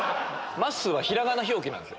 まっすーはひらがな表記なんですよ。